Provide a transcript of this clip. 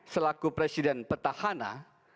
selaku presiden petahana